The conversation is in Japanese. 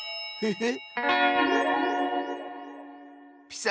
えっ。